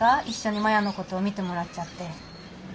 一緒に摩耶のこと見てもらっちゃって。